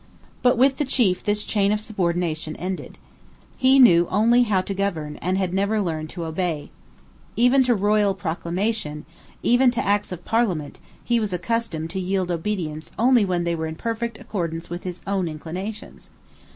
But with the chief this chain of subordination ended. He knew only how to govern, and had never learned to obey. Even to royal proclamations, even to Acts of Parliament, he was accustomed to yield obedience only when they were in perfect accordance with his own inclinations.